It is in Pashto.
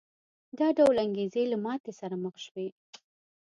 دا ډول انګېزې له ماتې سره مخ شوې.